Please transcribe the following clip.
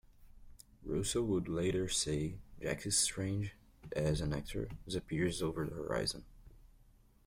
Russell would later say Jacqui's range as an actor disappears over the horizon.